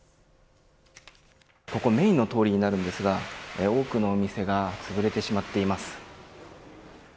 ここメーンの通りになるんですが多くの店がつぶれてしまっています。